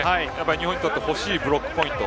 日本にとって欲しいブロックポイント。